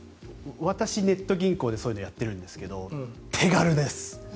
私、ネット銀行でそういうのをやってるんですけど手軽です！